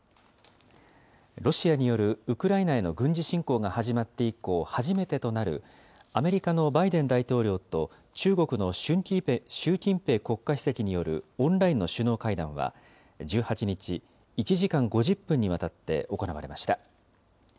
ロシアによるウクライナへの軍事侵攻が始まって以降、初めてとなるアメリカのバイデン大統領と中国の習近平国家主席によるオンラインの首脳会談は、１８日、１時間５０分にわたって行われました。